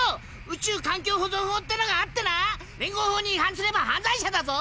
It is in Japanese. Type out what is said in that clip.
「宇宙環境保存法」ってのがあってな連合法に違反すれば犯罪者だぞ！